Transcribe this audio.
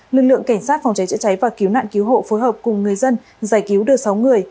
lực lượng cảnh sát phòng cháy chữa cháy và cứu nạn cứu hộ phối hợp cùng người dân giải cứu được sáu người